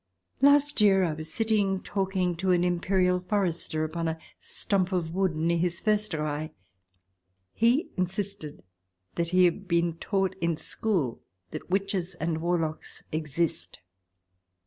Last year I was sitting talking to an Imperial Forester upon a stump in a wood near his Foersterei. He insisted that he had been taught in school that witches and warlocks exist.